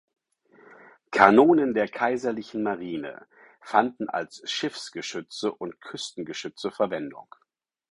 Kanonen der Kaiserlichen Marine fanden als Schiffsgeschütze und Küstengeschütze Verwendung.